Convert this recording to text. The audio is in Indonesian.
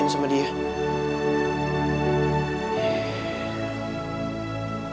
nanti gue datang